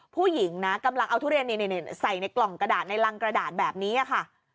ผู้หญิงนะกำลังเอาทุเรียนใส่ในกล่องกระดาษในรังกระดาษแบบนี้ค่ะ